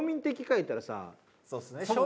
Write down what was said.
そうですね。